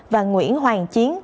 và nguyễn hoàng chiến